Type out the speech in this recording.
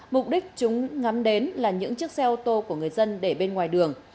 mục đích chúng ngắm đến là những chiếc xe ô tô của người dân để bên ngoài đường